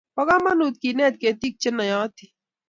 Bo komonut kenet ketik che noyotin